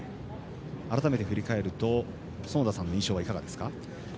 改めて振り返ると園田さんの印象はいかがですか？